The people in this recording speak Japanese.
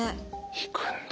行くんだ。